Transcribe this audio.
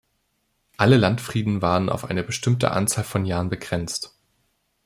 Alle Landfrieden waren auf eine bestimmte Anzahl von Jahren begrenzt.